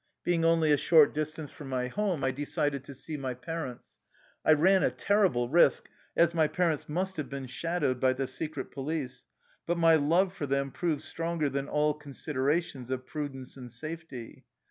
Being only a short distance from my home, I decided to see my parents. I ran a terrible risk, as my parents must have been shadowed by the secret police, but my love for them proved stronger than all considerations of prudence and safety.